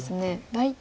大体。